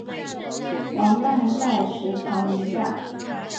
王掞在石槽迎驾。